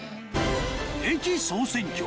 『駅総選挙』